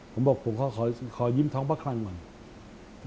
ผมบอกพ่อของยิ้มท้องพระครรภ์ก่อน